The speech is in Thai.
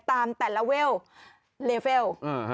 ตามแต่ละเวลเลเวล